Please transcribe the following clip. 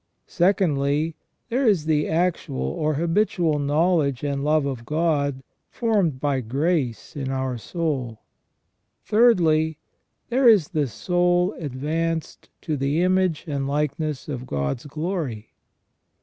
Secondly, there is the actual or habitual knowledge and love of God, formed by grace in our soul. Thirdly, there is the soul advanced to the image and likeness of God's glory.